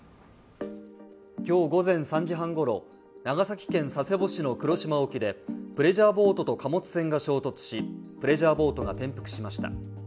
今日午前３時半ごろ、長崎県佐世保市の黒島沖でプレジャーボートと貨物船が衝突し、プレジャーボートが転覆しました。